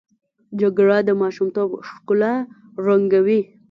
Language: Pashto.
جګړه د ماشومتوب ښکلا ړنګوي